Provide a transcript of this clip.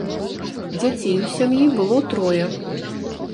Дзяцей у сям'і было трое.